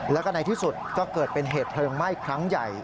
แล้วก็ในที่สุดก็เกิดเป็นเหตุเพลิงไหม้ครั้งใหญ่